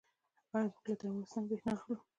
آیا موږ له ترکمنستان بریښنا اخلو؟